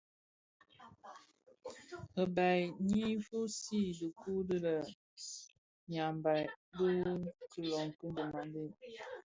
Ribal Nyi fusii dhikuu di lenyambaï bi ilöň ki dhimandé.